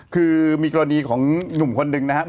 คือมีกรณีของหนุ่มคนหนึ่งนะครับ